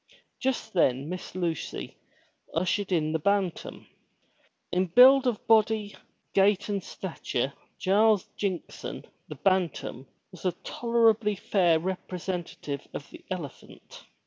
Just then Miss Lucy ushered in the Bantam. In build of body, gait and stature, Giles Jinkson, the Bantam, was a tolerably 247 MY BOOK HOUSE fair representative of the elephant.